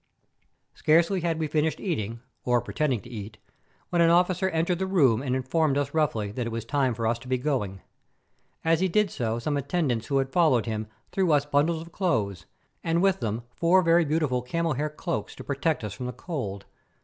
Scarcely had we finished eating, or pretending to eat, when an officer entered the room and informed us roughly that it was time for us to be going. As he did so some attendants who had followed him threw us bundles of clothes, and with them four very beautiful camel hair cloaks to protect us from the cold.